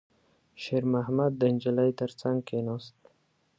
شېرمحمد د نجلۍ تر څنګ کېناست.